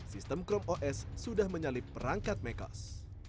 sistem chrome os sudah menyalip perangkat mekos